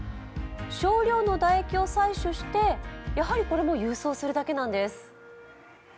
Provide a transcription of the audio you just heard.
少量の唾液を採取して、やはりこれも郵送するだけなんです。